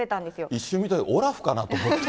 一瞬見たとき、オラフかなと思った。